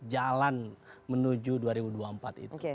jalan menuju dua ribu dua puluh empat itu